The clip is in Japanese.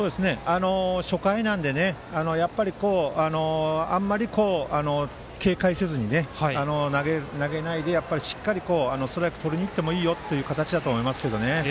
初回なのであんまり警戒せずに投げないで、しっかりストライクをとりにいってもいいという形だと思います。